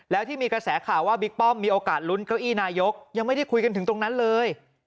แล้วที่มีกระแสข่าวว่าบิ๊กป้อมมีโอกาสลุ้นเก้าอี้นายกยังไม่ได้คุยกันถึงตรงนั้นเลย